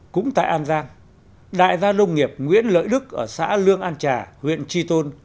cũng tại an giang đại gia nông nghiệp nguyễn lợi đức ở xã lương an trà huyện tri tôn